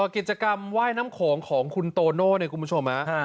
กิจกรรมไหว้น้ำโขงของคุณโตโน่ในคุณผู้ชมนะ